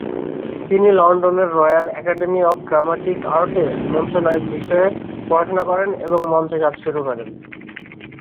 তিনি লন্ডনের Royal Academy of Dramatic আর্টে মঞ্চনাটক বিষয়ে পড়াশুনা করেন এবং মঞ্চে কাজ শুরু করেন।